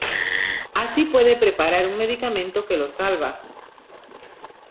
Así puede preparar un medicamento que lo salva.